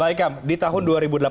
baiklah di tahun dua ribu delapan belas